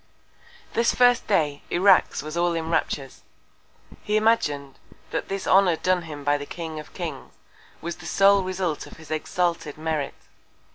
This first Day Irax was all in Raptures; he imagin'd, that this Honour done him by the King of Kings, was the sole Result of his exalted Merit.